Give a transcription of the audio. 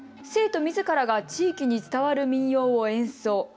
生徒みずからが地域に伝わる民謡を演奏。